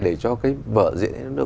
để cho cái vở diễn